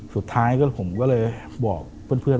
สุดท้ายผมก็เลยบอกเพื่อน